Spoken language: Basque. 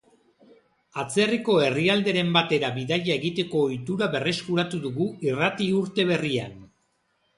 Atzerriko herrialderen batera bidaia egiteko ohitura berreskuratu dugu irrati urte berrian.